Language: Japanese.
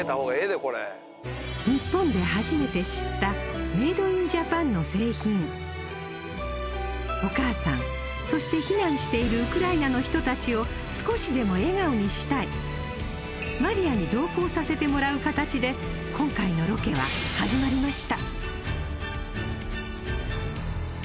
これ日本で初めて知ったメイドインジャパンの製品お母さんそして避難しているウクライナの人たちを少しでも笑顔にしたいマリアに同行させてもらう形で今回のロケは始まりました